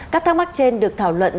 các thắc mắc trên được thảo luận